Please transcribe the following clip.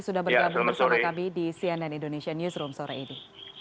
sudah bergabung bersama kami di cnn indonesia newsroom sore ini